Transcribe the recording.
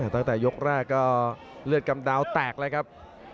ตั้งแต่ยกแรกก็เลือดกำดาวแตกเลยครับ